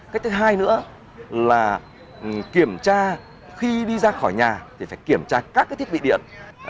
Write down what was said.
cái thứ hai nữa là kiểm tra khi đi ra khỏi nhà thì phải kiểm tra các thiết bị điện